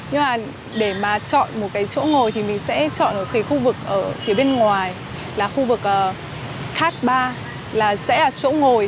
nhưng mà để mà chọn một cái chỗ ngồi thì mình sẽ chọn ở cái khu vực ở phía bên ngoài là khu vực thác ba là sẽ là chỗ ngồi